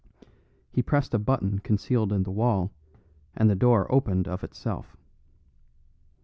He pressed a button concealed in the wall, and the door opened of itself.